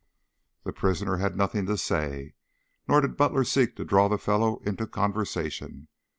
The prisoner had nothing to say, nor did Butler seek to draw the fellow into conversation.